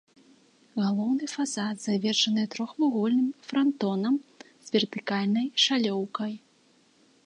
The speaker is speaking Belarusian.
Галоўны фасад завершаны трохвугольным франтонам з вертыкальнай шалёўкай.